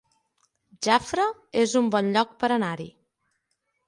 Jafre es un bon lloc per anar-hi